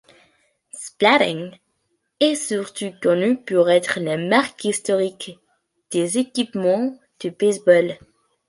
Spalding est surtout connu pour être la marque historique des équipements de baseball.